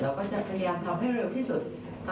ก็จะพยายามทำให้เร็วที่สุด